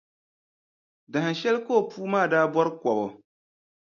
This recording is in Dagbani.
Dahinshɛli ka o puu maa daa bɔri kɔbu.